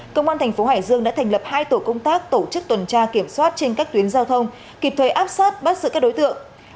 công an thành phố hải dương đã thành lập hai tổ công tác tổ chức tuần tra kiểm soát trên các tuyến giao thông kịp thời áp sát bắt giữ các đối tượng